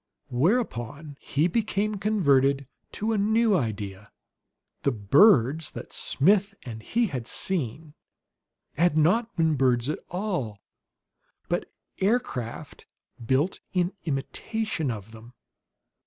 Whereupon he became converted to a new idea: The birds that Smith and he had seen had not been birds at all, but aircraft built in imitation of them.